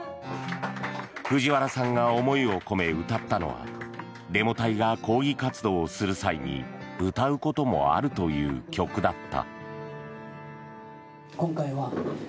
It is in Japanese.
藤原さんが思いを込め歌ったのはデモ隊が抗議活動する際に歌うこともあるという曲だった。